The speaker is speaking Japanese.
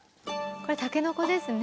これたけのこですね。